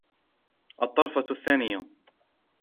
الطرفة الثانية